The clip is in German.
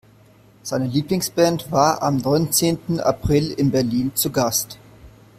Seine Lieblingsband war am neunzehnten April in Berlin zu Gast.